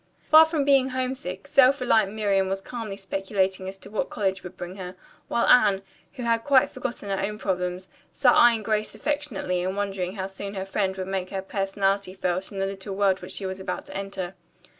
Far from being homesick, self reliant Miriam was calmly speculating as to what college would bring her, while Anne, who had quite forgotten her own problems, sat eyeing Grace affectionately and wondering how soon her friend would make her personality felt in the little world which she was about to enter.